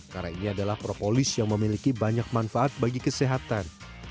karena ini adalah propolis yang memiliki banyak manfaat bagi kesehatan